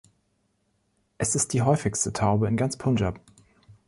Es ist die häufigste Taube in ganz Punjab.